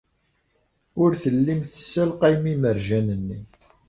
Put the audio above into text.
Ur tellim tessalqayem imerjan-nni.